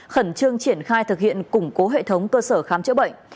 khẩn trương triển khai thực hiện củng cố hệ thống cơ sở khám chữa bệnh